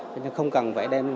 bệnh nhân không cần phải đem